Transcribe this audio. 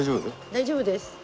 大丈夫です。